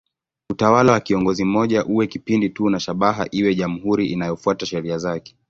Utawala wa kiongozi mmoja uwe kipindi tu na shabaha iwe jamhuri inayofuata sheria zake.